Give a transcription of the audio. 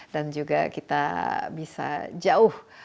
dan juga kita bisa jauh